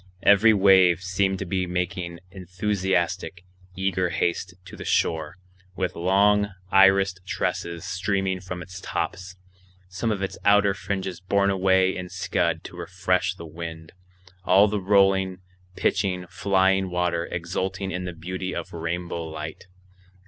Every wave seemed to be making enthusiastic, eager haste to the shore, with long, irised tresses streaming from its tops, some of its outer fringes borne away in scud to refresh the wind, all the rolling, pitching, flying water exulting in the beauty of rainbow light.